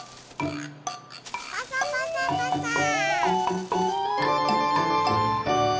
パサパサパサー。